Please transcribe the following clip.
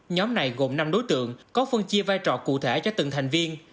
nhóm này gồm năm đối tượng có phân chia vai trò cụ thể cho từng thành viên